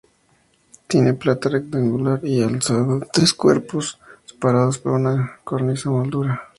Tiene planta rectangular y alzado de tres cuerpos, separados por una cornisa moldurada.